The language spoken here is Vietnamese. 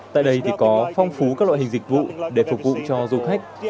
tại đây thì có phong phú các loại hình dịch vụ để phục vụ cho du khách